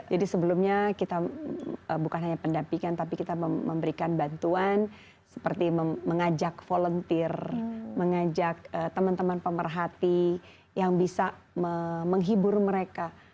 jadi sebelumnya kita bukan hanya pendampingan tapi kita memberikan bantuan seperti mengajak volunteer mengajak teman teman pemerhati yang bisa menghibur mereka